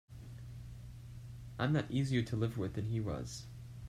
I'm not easier to live with than he was.